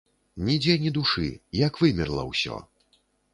Нідзе ні душы, як вымерла ўсё.